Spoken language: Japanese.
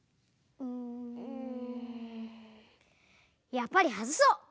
やっぱりはずそう！